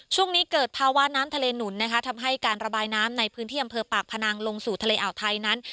ช่วงนี้เกิดภาวะน้ำทะเลหนุนนะคะทำให้การระบายน้ำในพื้นที่อำเภอปากพนังลงสู่ทะเลอ่าวไทยนั้น